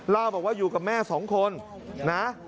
เล่าบอกว่าอยู่กับแม่สองคนนะ